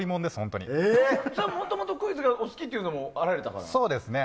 もともとクイズが好きっていうのもあられたんですか？